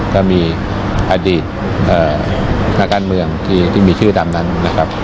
ก็มีอดีตนักการเมืองที่มีชื่อดำนั้นนะครับ